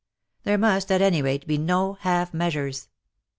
There must, at any rate, be no half measures.